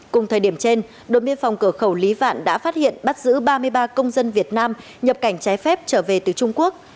cùng thời điểm trên đồn biên phòng cửa khẩu lý vạn đã phát hiện bắt giữ ba mươi ba công dân việt nam nhập cảnh trái phép trở về từ trung quốc